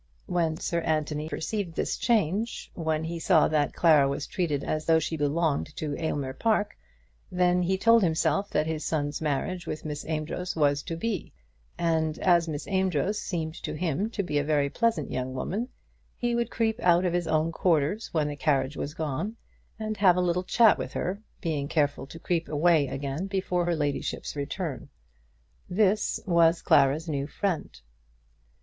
When Sir Anthony perceived this change, when he saw that Clara was treated as though she belonged to Aylmer Park, then he told himself that his son's marriage with Miss Amedroz was to be; and, as Miss Amedroz seemed to him to be a very pleasant young woman, he would creep out of his own quarters when the carriage was gone and have a little chat with her, being careful to creep away again before her ladyship's return. This was Clara's new friend.